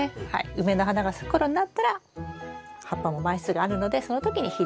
梅の花が咲く頃になったら葉っぱも枚数があるのでその時に肥料をあげる。